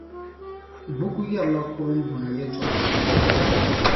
Buku yɛrla kurumbuna yɛltɔɣa.